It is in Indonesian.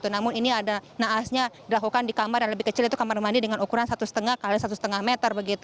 namun ini ada naasnya dilakukan di kamar yang lebih kecil itu kamar mandi dengan ukuran satu lima x satu lima meter